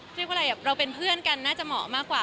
เรียกว่าอะไรเราเป็นเพื่อนกันน่าจะเหมาะมากกว่า